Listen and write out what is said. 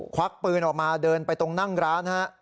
ควักปืนออกมาเดินไปตรงนั่งร้านฮะ